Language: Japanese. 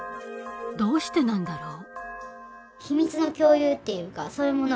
どうしてなんだろう？